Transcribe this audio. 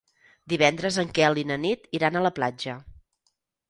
Divendres en Quel i na Nit iran a la platja.